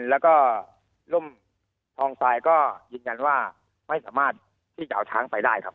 แล้วก็ร่มทองทรายก็ยืนยันว่าไม่สามารถที่จะเอาช้างไปได้ครับ